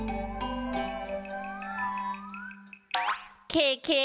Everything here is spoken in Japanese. ケケ！